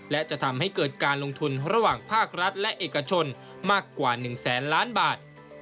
และจะทำให้เกิดการลงทุนระหว่างภาครัฐและเอกชนมากกว่า๑แสนล้านบาท